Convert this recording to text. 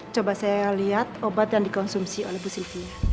coba saya lihat obat yang dikonsumsi dari bu silvia